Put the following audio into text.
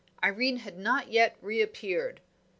Irene had not yet reappeared.